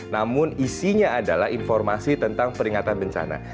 namun isinya adalah informasi tentang peringatan bencana